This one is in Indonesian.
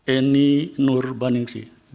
alasan berbeda dari hakim konstitusi eni nurbanisi